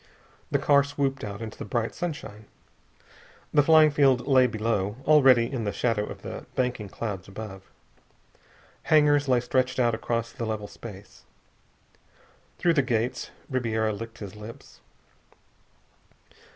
The car swooped out into bright sunshine. The flying field lay below, already in the shadow of the banking clouds above. Hangars lay stretched out across the level space. Through the gates. Ribiera licked his lips.